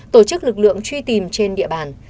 tổ chức lực lượng truy tìm trên địa bàn